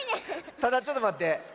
ただちょっとまって。